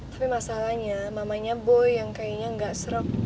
tapi masalahnya mamanya boy yang kayaknya nggak srok